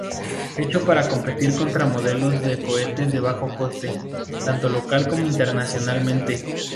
Hecho para competir contra modelos de coches de bajo coste, tanto local como internacionalmente.